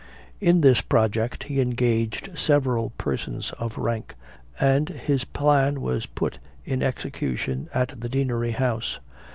In this project he engaged several persons of rank, and his plan was put in execution at the deanery house.